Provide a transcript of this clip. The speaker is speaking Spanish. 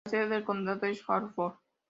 La sede del condado es Hartford.